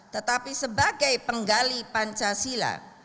tetapi sebagai penggali pancasila